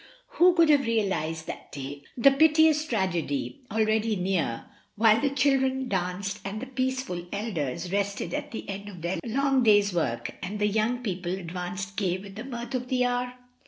Who could have realised that day the piteous tragedy, already near, while the children danced and the peaceful elders rested at the end of their long day's work, and the young people advanced gay with the mirth of the hour?